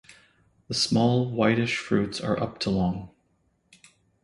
The small whitish fruits are up to long.